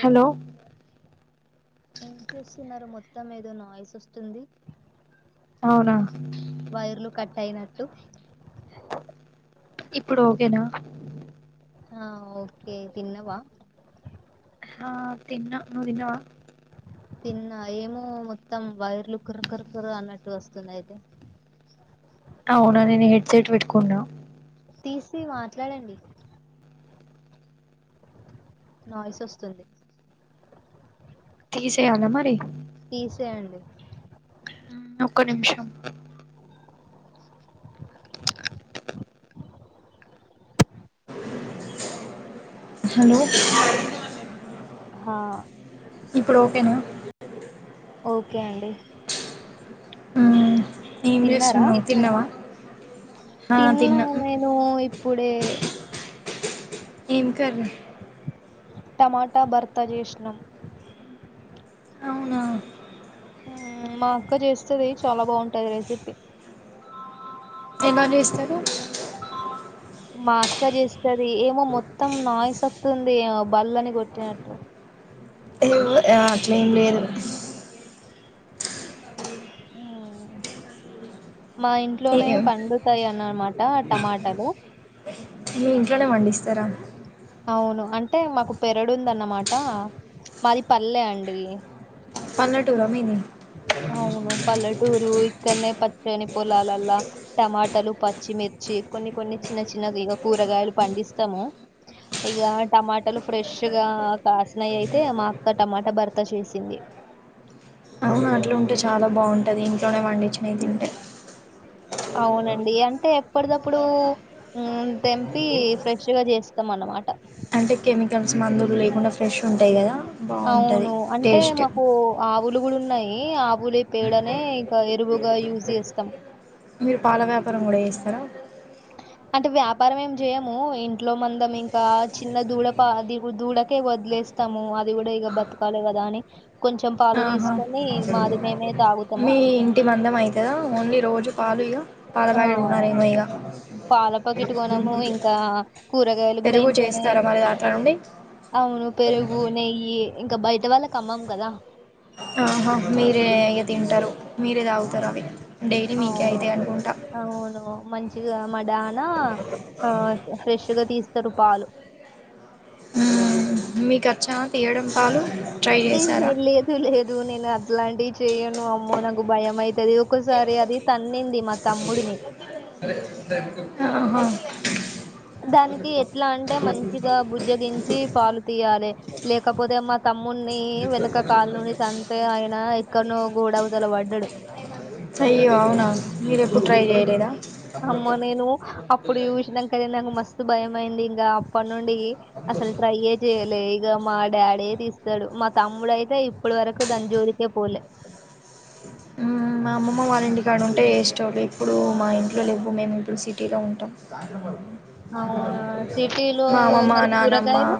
Hello ఏం చేూస్తున్నారు మొత్తం ఏదో నాయిస్ వస్తుంది అవునా వైర్లు కట్ అయినట్టు ఇప్పుడు ఓకేనా ఆ ఓకే తిన్నవా ఆ తిన్న నువ్ తిన్నావా తిన్నా ఏమో మొత్తం వైర్లు కుర్ కుర్ కుర్ అన్నట్టు వస్తుందయితే అవునా నేను హెడ్సెట్ వెట్టుకున్నా. తీసి మాట్లాడండి. నాయిస్ అస్తుంది. తీసే అల మరి తీసేయండి ఒక్క నిమిషం. హలో హా ఇప్పుడు ఓకేనా ఓకే అండి. మ్మ్ ఏం తిన్నారా, చేస్తున్నావు తిన్నావా తిన్నా నేను ఇప్ పుడే ఏం కర్రి టమాటా భర్త జేసినం. అవునా ఉమ్ మా అక్క చేస్తది చాలా బాగుంటది రెసిపీ. ఎలా జేస్తరు. మా అక్క జేస్తది, ఏమో మొత్తం నాయిస్ అత్తుంది, ఏమో బల్లని కొట్టినట్టు. ఏమో అట్లా ఏం లేదు. మ్మ్. మా ఇంట్లోనే పండుతాయి అన్నమాట టమాటలు. మీ ఇంట్లనే పండిస్తరా? అవును అంటే మాకు పెరడుందన్నమాట, మాది పల్లె అండి. పల్లెటూర మీది? అవును పల్లటూరు ఇక్ ఇక్కనే పచ్చని పొలాలల్లా, టమాటలు, పచ్చిమిర్చి కొన్ని కొన్ని చిన్న చిన్న ఇగ కూ కూరగాయలు పండిస్తము, ఇగ టమాటలు ఫ్రెష్ గా కాసినయి అయితే మాక్ క్క టమాట భర్త చేసింది. అవును అట్ల ఉంటే చాలా బాగుంటది, ఇంట్లోనే పండించినయి తింటే అవునండి అంటే ఎప్పటిదప్పుడు ఉమ్ తెంపి ఫ్రెష్గా చేస్తాం. అన్నమాట. అంటే కెమికల్స్ మందులు లేకుండా ఫ్రెష్ ఉంటయి కదా. బాగుంటది అవును అంటే టేస్ట్ మకూ ఉలుగులు ఉన్నయి ఆవులి పేడనే ఇంక ఎరువుగా యూజ్ చేస్తాం. మీరు పాల వ్యాపారం కూడా చేస్తరా? అంటే వ్యాపారం ఏం చేయము, ఇంట్లో మందం ఇంకా చిన్న దూడ ప ది దూడకే వదిలే ఏస్తాము అది కూడా ఇగ బతకాలె కదా అని, కొంచెం పాలు ఆహా తీసుకొని మాది మేమే తాగుతాము. మీ ఇంటి మందం ఐతదా, ఓన్లీ రోజు పాలు ఇగ పాల ఆ! ప్యాకెట్ కొనరేమో ఇగ, పాల పాకెట్ గొనము. ఇంకా కూరగాయలు గూడా పెరుగు చేస్ ఇంట్లోనే స్తరా మరి దాంట్ల నుండి అవును పెరుగు నెయ్యి ఇంకా బయట వాళ్ళకి అమ్మం కదా. ఆహా మీరే ఇగ తింటరు, మీరే తాగుతరు అవి. డైలీ మీకే అవును. ఐతై అనుకుంట అవును. మంచిగా మడానా ఆ ఫ్రెష్గా తీస్తరు పాలు. ఉమ్ మీకచ్చా తీయడం పాలు? ట్రై ఏ చేశారా లేదు లేదు నేను అట్ అట్లాంటివి చేయ్యను అమ్మో నాకు భయం అవుతుది ఒకసారి అది తన్నింది మా తమ్ముడిని అదే థ్యాంక్ దానికి ఎట్లా అంటే మంచిగా బుజ్జగించి పాలు తీయాలి లేకపోతే మా తమ్ము నున్ని వెనకకాల నుండి తంతే ఆయన ఎక్కడనో గూడవతల పడ్డాడు సయ్య అవునా మీర ఎప్పుడు ట్రై చేయలేదా అమ్మ నేను అప్పుడు చూసాంకద నాకు మస్తు భయం అయింది ఇంకా అప్పటి నుండి అసలు ట్రైయ చేయ్యలే ఇ మా డాడీ తీస్తాడు మా తమ్ముడుయితే ఇప్పుడు వరకు దంజూరికే పోలే ఉమ్ మా అమ్మ ఇంటికాడ ఉంటే ఏస్టోలు ఇప్పుడు మా ఇంట్లో లేవ్వు, మేము ఇప్పుడు సిటీలో ఉంటాం. అవునా సిటీలో మామమ్మ మరి నానమ్మ కూరగాయలు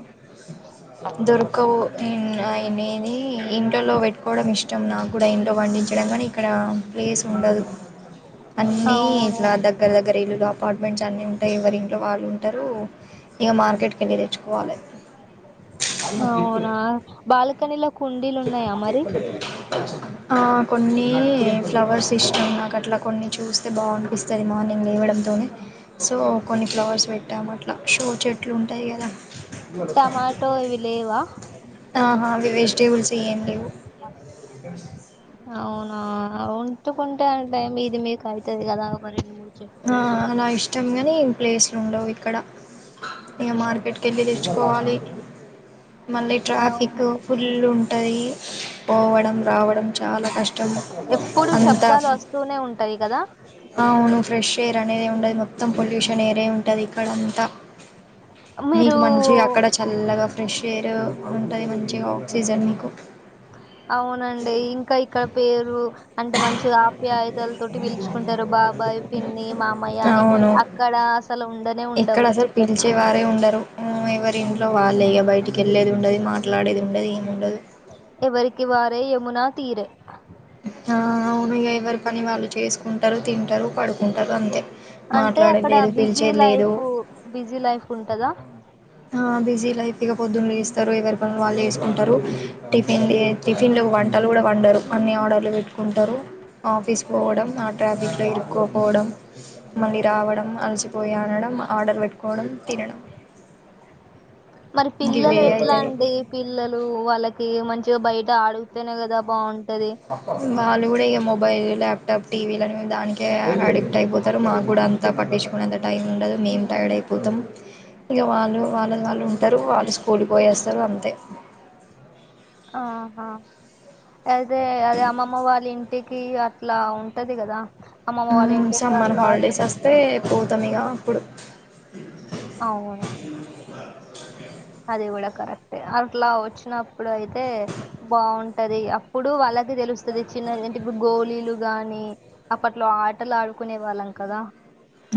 దొర్కవన్ ఐ నేనేది ఇంట్లో పెట్టుకోవడం ఇష్టం నాకు కూడా ఇంట్లో పండించడం కానీ ఇక్కడ ప్లేస్ ఉండదు అన్నిీ అవును ఇట్లా దగ్గర దగ్గర ఇల్లు కా అపార్ట్మెంట్స్ అన్నిీ ఉంటాయి ఎవరి ఇంట్లో వాళ్ళు ఉంటారు ఇంక మార్కెట్కి వెళ్ళి తెచ్చుకోవాలి అ అ మాకు ఎప్పుడు అవునా బాల్కనీలో కుండీలు చెప్పు ఉన్నాయా మా మరి ఎప్పుడు కొన్ని ఫ్లవర్స్ ఇష్టం ఉ నాక అట్లా కొన్ని చూస్తే బాగానిపిస్తుంది మార్నింగ్ లేవడంతోనే సో కొన్ని ఫ్లోవర్స్ పెట్ట్టా లక్షో చెట్లు ఉంటాయి కదా టమాటో ఇవి లేవా ఆహా వెజిటేబిల్స్ చెయడి ఉంటుకుంటే అ టైమ్ ఇది మీకు అవుతుంది కదా ఒక రెండు మూడు చెట్లు ఆ అలా ఇష్టం ని ఏ ప్లేస్లు ఉండవు ఇక్కడ ఇంకా మార్కెట్కి వెళ్ళి తెచ్చుకోవాలి మళ్ళీ ట్రాఫిక్ అవును ఫుల్ ఉంటది పోవడం రావడం చాలా కష్టం ఎప్పుడు శబ్దాలు అంతంతాఫ్ వస్తూనే ఉంటాయి కదా అ అవును ఫ్రెష్ ఎయిర్ అనేది ఉండదు మొత్తం పొల్యూషన్ ఎయిరే ఉంటది ఇక్కడంతా మీరు మీకు మంచిగా అక్కడ చల్లగా ఫ్రెష్ ఎయిర్ ఉంటది మంచిగా ఆక్సిజన్ మీకు అవునండి ఇంకా ఇక్కడ పేరు అంటే మంచిగా ఆప్యాయతల తోటి పలుచుకుంటారు బాబాయ్ పిన్ని మా అమయ్య అని అవును అక్కడ సలు ఉండనే ఉండవు దల్చేారే ఎవరి ఇంట్లో వాళ్ళే ఇక బయటికి వెళ్ళేది ఉండదు మాట్లాడేది ఉండది ఏమిండదు ఎవరికి వారే యమునా తీరు ఆ అవును ఎవరి పని వాళ్ళు చేసుకుంటారు తింటారు పడుకుంటారు అంతే అంటే మాట్లాడేది అక్కడ లేదు బిజీ పిలిచేది లేదు లైఫ్ బిజీ లైఫ్ ఉంటదా బిజీ లైఫ్ పొద్దున్న వేస్తారు ఎవరి పనులు వాళ్ళు వేసుకుంటారు టిఫిన్ టిఫిన్ లో వంటలు కూడా వండరు అన్ని ఆర్డర్లు పెట్టుకుంటారు ఆఫీస్ పోవడం ఆ ట్రాఫిక్ లో ఇరుకోపోవడం మళ్ళీ రావడం అలసిిపోయి అనడం ఆర్డర్ పెట్టుకోవడం తినడం మరి పిల్లలు గివే ఎట్లా అయితది అండి పిల్లలు వాళ్ళకి మంచి బయట ఆడుగుతేనే కదా బాగుంటది వాళ్ళు కూడా ఇక మొబైల్ ల్యాప్టాప్ టీవీలునే దానికే అడిక్ట్ అయిపోతారు మాకు కూడా అంత పట్టి నచుకునే అంత టైం ఉండదుో మేము టైర్డ్ అయిపోతాం ఇంకా వాళ్ళు వాళ్ళ వాళ్ళు ఉంటారు వాళ్ళు స్కూల్కి పోయేస్తారు అంతే ఆహా అయితే అదే అమ్మమ్మ వాళ్ళ ఇంటికి అట్లా ఉంటది కదా అమ్మమ్మ వాళ్ళ ఇంటికి సమ్మర్ అట్లా హాలిడేస్ వచ్చి- వస్తే పోతాం ఇక అప్పుడు అవును అ అది కూడా కరెక్ట్ ఏ. అట్ల వచ్చినప్పుడు అయితే బావుంటది. అప్పుడు వాళ్ళ కి తెలుస్తది చిన్న అంటే ఇపు గోళీలు గాని, అప్పట్లో ఆటలు ఆడుకునే వాళ్ళం కదా.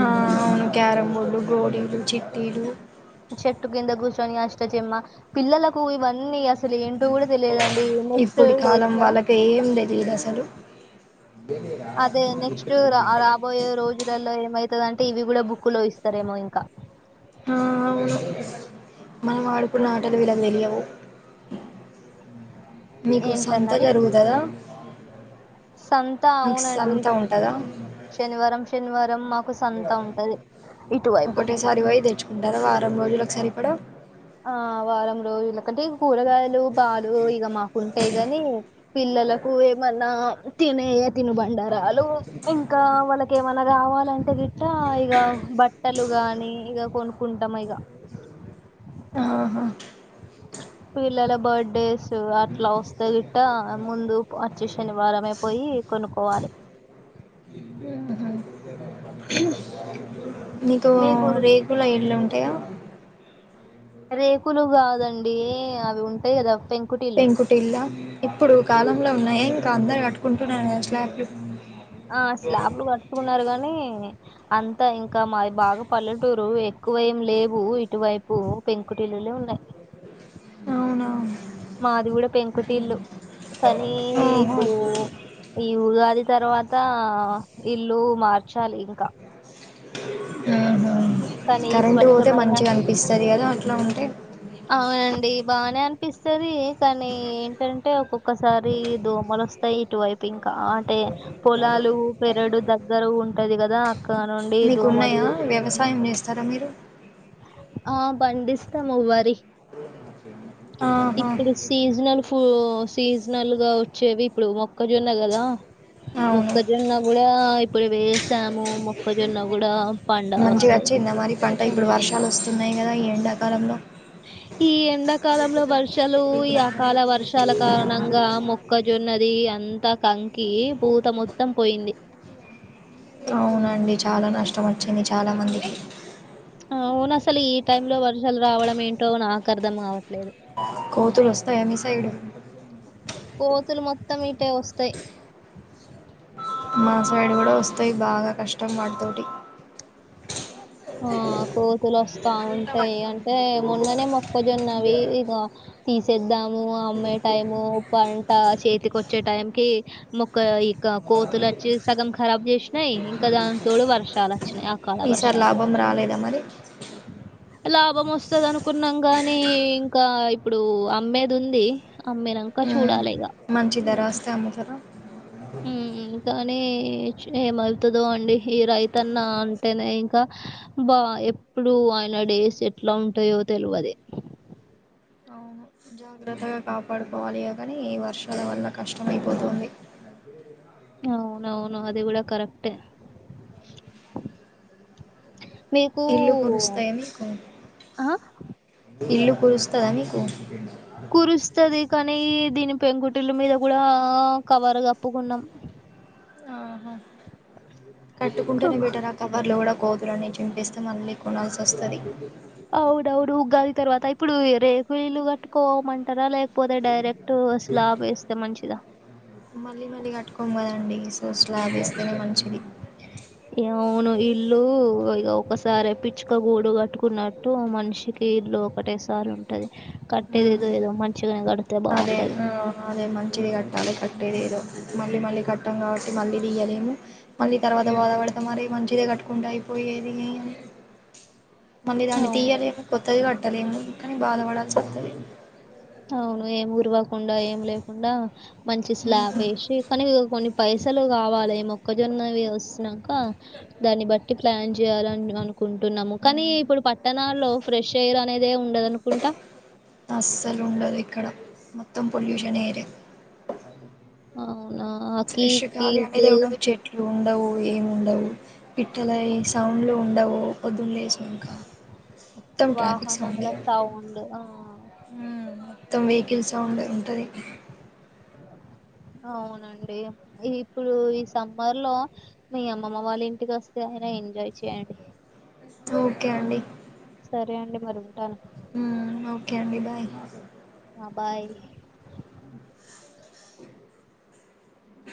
ఆ అవును క్యారం బోర్డ్లు, గోలీలు, చిటీలు చెట్టు కింద కుసోని అష్టచమ్మ, పిల్లలకు ఇవన్నీ అస్ అసలు ఏంటో కూడా తెలియదుండి నెక్స్ట్ డేస్ లో హలో అదే నెక్స్ట్ రా రాబోయే రోజులలో మై తదంటే ఇవి కూడా బుక్ లో ఇస్తారేమో ఇంక ఆ అవును మనం ఆడుకున్న ఆటలు విలకు తెలియవు మీకు సంత ఏంటన్నారు జరుగుతుదా? సంత అవునండి. ఉంటుందా శనివారం శనివారం మాక్ ఒకటేసారి ఓయి తెచ్చుకుంటరా, వారం రోజులక్ సరిపడా? ఆ వారం రోజులకంటే, కూరగాయలు పాలు ఇగ మాకుంటయి కానీ పిల్లలకు ఏమన్నా తినే య తిను బండారలు. ఇంకా వాళ్ళకెమన్న కావాలంటే గిట్ట ఇగ బట్టలు కానీ ఇగ కొనుక్కుంటాం ఇగ ఆహా పిల్లల బర్డేస్ అట్ల వస్తే గిట్ట ముందు అచ్చె శనివారమే పోయి కొనుక్కోవాలి నీకు మీకు రేకుల ఇల్లు ఉ టె రేకులు కాదండి, అవి ఉంటాయి కదా. పెంకుటిల్లు పెంకుటిళ ఇప్పుడు కాలంలో ఉన్నాయి ఇంకా, అందరు కట్టుకుంటున్నా స్లాప్లు. ఆ స్లాప్లు కట్టుకున్నరు కానీ అంతా ఇంకా మాది బాగా పల్లెటూరు ఎక్కువ ఏం లేవు ఇటువైప్ పు పెంకుటిల్లులే ఉన్నయి అవునా మాది కూడ పెంకుటిల్లు. కానీ ఓహో ఇప్పుడు ఈ ఉగాది తరువాత, ఇల్లు మార్చాలి ఇంక. ఉహూ కరెంటు పోతే స్వచ్ఛమైన మంచిగా అనిపిస్తది కదా అట్లా ఉంటే పిస్తది. కానీ, ఏంటంటే ఒక్కొక్కసారి దోమలు వస్తాయి ఇటువైప్ ఇంగ్ కా అంటే పొలాలు పెరడు దగ్గర ఉంటది కదా, అక్కడ నుండి మీకు దోమలు ఉన్నాయా వ్యవసాయం చేస్తరా మీరు? ఆ పండిస్తాము వరి. ఆహా ఇప్పుడు సీజనల్ ఫు సీజనల్ గా వచ్చేవి ఇప్పుడు మొక్కజోన్న కదా అవును మొక్కజొన్న కూడా ఇప్పుడు వేసాము. మొక్కజొన్న కూడ పండా వస్తది. వరి పంట ఇప్పుడు వర్షాలు వస్తున్నయి ఎండాకాలంలో ఈ ఎండాకాలంలో వర్షాలు, ఈ అకాల వర్షాల కారణంగా మొక్కజొన్నది అన్ త కంకి పూత మొత్తం పోయింది. అవునండి. చాలా నష్టం వచ్చింది చాలా మందికి. అవును అసలు ఈ టైమ్ లో వర్షాలు రావడం ఏంటో నాకు అర్థం కావ్ కోతులు వస్తయా మీ సైడ్? కోతులు మొత్తం ఇటే వస్తయ్. మా సైడ్ కూడా వస్తాయి బాగా కష్టం వాటితోటి ఆ కోతులు వస్తా ఉంటయి. అంటే మొన్ననే మొక్కజొన్నవి ఇగ తీసేద్దాము అమ్మే టైము పంట చేతికోచ్చే టైం కి ఇక కోతులు వచ్చి సగం ఖరాబ్ చేసినాయి ఇంకా దాని తోడు వర్షాలు వచ్చినాయి ఆ కాల వర్షాలు లేదా మరి లాభం వస్తంది అనుకున్నాం గానీ ఇంకా ఇప్పుడు అమ్మేది ఉంది అమ్మినంకా మ్మ్. చూడాలిగా మంచి ధర వస్తే అమ్ముతారా ఉమ్మ్ కానీ ఏమవుతుందో అండి ఈ రైతన్న అంటేనే ఇంకా బా ఎప్పుడు ఆయన మా డేస్ ఎట్లా ఉంటాయో తెలవది అవును జాగ్రత్తగా కాపాడుకోవాలి కానీ ఈ వర్షాల వల్ల కష్టమైపోతుంది అ అవునవును అది కూడా కరెక్టే మీకు ఇల్లు కురుస్తాయా మీకు ఆ ఇల్లు కురుస్తుందాని కూర్ కురుస్తది కానీ దీని పెంకుటిల్లు మీద కూడా కవర్ కప్పుకున్నాం ఆహా కవ కట్టుకుంటేనే బెటర్ అక్క కవర్లు కూడా కోతులన్నీ చింపేస్తే మళ్లీ కొనాల్సి వస్తది అవుడవుడు ఉగాది తర్వాత ఇప్పుడు రేకుఇలు కట్టుకోమంటారా లే మంచిదా? మళ్ళీ మళ్ళీ కట్టుకోం కదండి సో స్లాప్ వేస్తేనే మంచిది అవును ఇల్లు ఇగా ఒకసారే పిచ్చుక గూడు కట్టుకున్నట్టు మనిషికి ఇల్లు ఒకటే సారి ఉంటది కట్టేది ఉమ్, ఏదో ఇగా మంచిగానే కడితే బాగుంటది మారే కట్టేదేదో మళ్ళీ మళ్ళీ కట్టం కాబట్టి మళ్ళీ దియలేము మళ్ళీ తర్వాత బాధపడతాం మరేమో మంచిదే కట్టుకుంటే అయిపోయేది మళ్ళీ దాన్ని అవును తీయాలేక కొత్తది కట్టలేమో కానీ బాధపడాల్సి వస్తది అవును ఏం గురువకుండా ఏం లేకుండా మంచి స్లాబ్ వేసి కానీ ఇ కొన్ని పైసలు కావాలి ఈ మొక్కజొన్నవి వసునక దాన్ని బట్టి ప్లాన్ చేయాలని అనుకుంటున్నాము కానీ ఇప్పుడు పట్టణాల్లో ఫ్రెష్ ఎయిర్ అనేది దే ఉండదనుకుంటా అస్సలు ఉండదు ఇక్కడ మొత్తం పొల్యూషన్ ఏరియా అవునా ఫ్రెష్ కికి గాలి అనేది కు ఉండదు చెట్లు ఉండవు ఏముండవు పిట్టలయి సౌండ్లు ఉండవు లేచినంక మొత్తం ట్రాఫిక్ వాహనాల సౌండ్డే సౌండ్ ఆ మొత్తం వెహికల్స్ సౌండ్ ఉంటుంది అవునండి ఇప్పుడు ఈ సమ్మర్ లో మీ అమ్మమ్మ వాళ్ళ ఇంటికి వస్తే మీరు ఎంజాయ్ చేయ్యడి ఓకే అండి సరే అండి మరి ఉంటాను మ్మ్ ఓకే అండి బాయ్ ఆ బాయ్